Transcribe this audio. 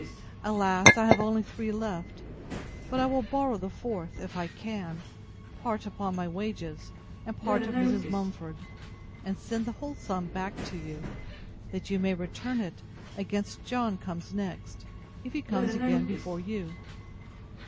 Alas! I have only three left; but I will borrow the fourth, if I can, part upon my wages, and part of Mrs. Mumford, and send the whole sum back to you, that you may return it, against John comes next, if he comes again before you.